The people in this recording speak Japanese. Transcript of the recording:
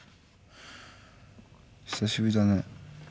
久しぶりだね。